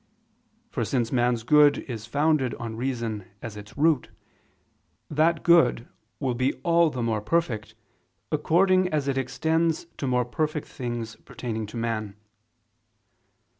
For since man's good is founded on reason as its root, that good will be all the more perfect, according as it extends to more things pertaining to man.